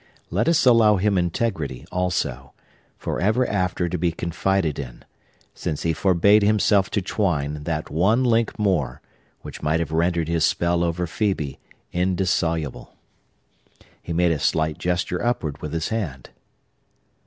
Let us allow him integrity, also, forever after to be confided in; since he forbade himself to twine that one link more which might have rendered his spell over Phœbe indissoluble. He made a slight gesture upward with his hand.